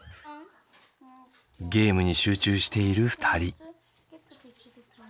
ゲームに集中している２人。